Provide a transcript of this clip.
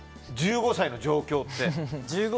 １５歳の上京って。